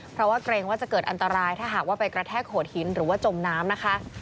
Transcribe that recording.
เพราะว่าเกรงว่าจะเกิดอันตรายถ้าหากว่าไปกระแทกโขดหินหรือว่าจมน้ำนะคะ